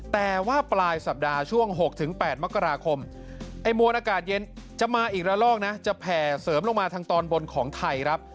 แต่ว่าปลายสัปดาห์ช่วง๖๘มกราคมไอ้มวลอากาศเย็นจะมาอีกละลอกนะจะแผ่เสริมลงมาทางตอนบนของไทยครับ